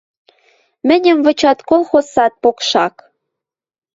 Мӹньӹм вычат колхоз сад покшак.